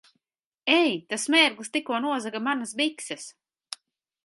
Ei! Tas mērglis tikko nozaga manas bikses!